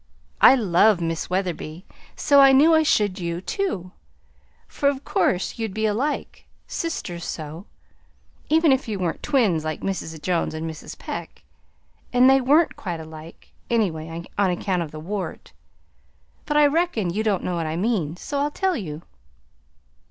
I love Miss Wetherby, so I knew I should you, too; for of course you'd be alike sisters, so even if you weren't twins like Mrs. Jones and Mrs. Peck and they weren't quite alike, anyway, on account of the wart. But I reckon you don't know what I mean, so I'll tell you."